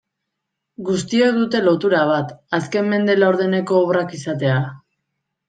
Guztiek dute lotura bat, azken mende laurdeneko obrak izatea.